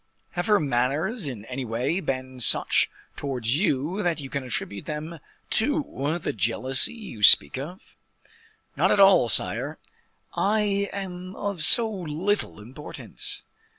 Have her manners in any way been such towards you that you can attribute them to the jealousy you speak of?" "Not at all, sire; I am of so little importance."